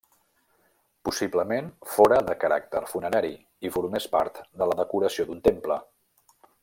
Possiblement, fóra de caràcter funerari i formés part de la decoració d'un temple.